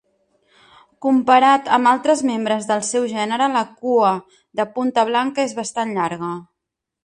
Comparat amb altres membres del seu gènere, la cua de punta blanca és bastant llarga.